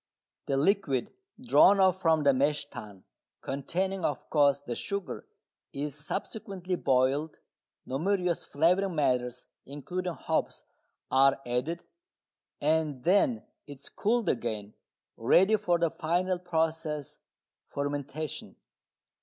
The liquid drawn off from the mash tun, containing, of course, the sugar, is subsequently boiled, numerous flavouring matters (including hops) are added, and then it is cooled again, ready for the final process fermentation.